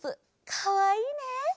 かわいいね。